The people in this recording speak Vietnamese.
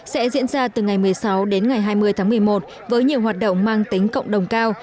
sẽ diễn ra từ ngày một mươi sáu đến ngày hai mươi tháng một mươi một với nhiều hoạt động mang tính cộng đồng cao